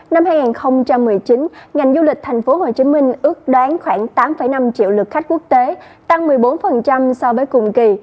năm hai nghìn một mươi chín ngành du lịch tp hcm ước đón khoảng tám năm triệu lượt khách quốc tế tăng một mươi bốn so với cùng kỳ